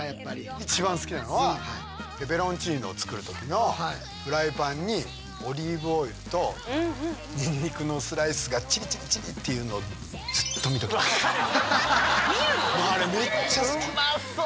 一番好きなのはペペロンチーノを作る時のフライパンにオリーブオイルとニンニクのスライスがチリチリチリッていうのをうまそう。